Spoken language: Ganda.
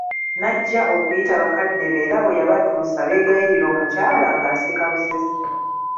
Najja okuyita bakadde be era bwe yabatuusa beegayirira omukyala nga aseka busesi.